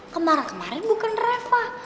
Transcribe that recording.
kemaren kemarin bukan reva